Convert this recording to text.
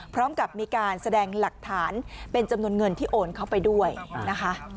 พร้อมกับมีการแสดงหลักฐานเป็นจำนวนเงินที่โอนเข้าไปด้วยนะคะ